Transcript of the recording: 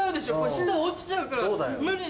下落ちちゃうから無理だよ。